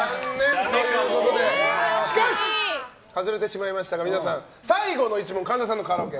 しかし、外れてしまいましたが最後の１問神田さんのカラオケ。